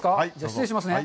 失礼しますね。